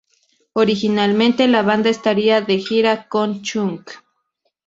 Originalmente, la banda estaría de gira con Chunk!